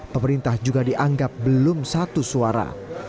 pemerintah juga dianggap belum satu suara